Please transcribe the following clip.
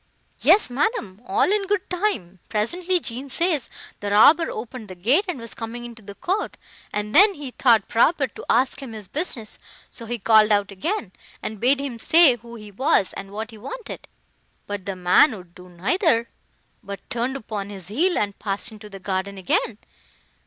"Yes, madam, all in good time. Presently, Jean says, the robber opened the gate, and was coming into the court, and then he thought proper to ask him his business: so he called out again, and bade him say who he was, and what he wanted. But the man would do neither; but turned upon his heel, and passed into the garden again.